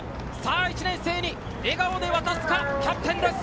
１年生に笑顔で渡すキャプテンです。